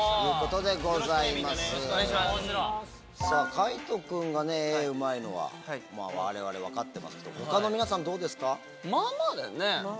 海人君が絵うまいのは我々分かってますけど他の皆さんどうですか？